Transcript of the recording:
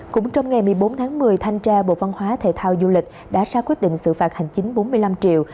cũng trong ngày một mươi bốn tháng một mươi thanh tra bộ văn hóa thể thao du lịch đã ra quyết định xử phạt hành chính bốn mươi năm triệu